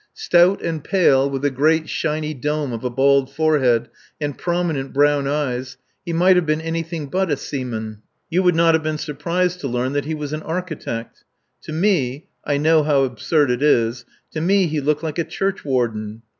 Stout and pale, with a great shiny dome of a bald forehead and prominent brown eyes, he might have been anything but a seaman. You would not have been surprised to learn that he was an architect. To me (I know how absurd it is) to me he looked like a churchwarden.